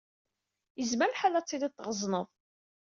Yezmer lḥal ad tilid tɣeẓned.